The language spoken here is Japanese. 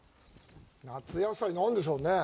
夏野菜、何でしょうね。